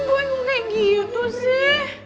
wow kayak gitu sih